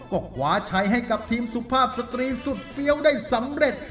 ก็ขวาใช้ให้กับทีมสุภาพสตรีสุดเฟี้ยวได้สำเร็จ